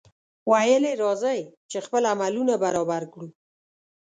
ویل یې راځئ! چې خپل عملونه برابر کړو.